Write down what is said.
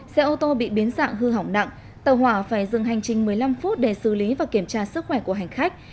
xe ô tô bị biến dạng hư hỏng nặng tàu hỏa phải dừng hành trình một mươi năm phút để xử lý và kiểm tra sức khỏe của hành khách